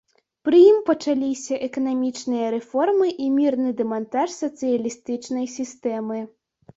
Пры ім пачаліся эканамічныя рэформы і мірны дэмантаж сацыялістычнай сістэмы.